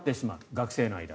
学生の間。